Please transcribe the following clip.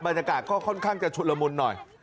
บรรยากาศก็ค่อนข้างจะชุดละมุนหน่อย